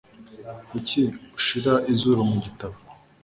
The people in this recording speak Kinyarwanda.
kuki ushira izuru mu gitabo